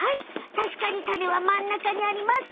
たしかにタネはまんなかにあります！